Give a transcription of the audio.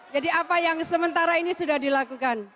jadi apa yang sementara ini sudah dilakukan